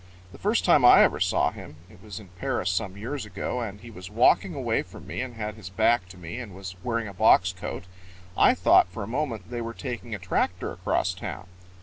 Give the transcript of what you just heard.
The first time I ever saw him it was in Paris some years ago, and he was walking away from me and had his back to me and was wearing a box coat I thought for a moment they were taking a tractor across town.